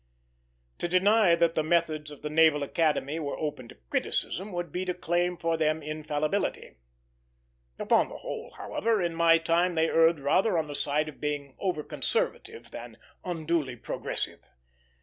To deny that the methods of the Naval Academy were open to criticism would be to claim for them infallibility. Upon the whole, however, in my time they erred rather on the side of being over conservative than unduly progressive.